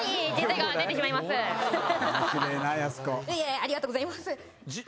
ありがとうございます。